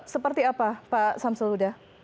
seperti apa pak samsa luda